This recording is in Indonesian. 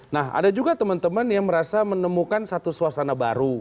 nah ada juga teman teman yang merasa menemukan satu suasana baru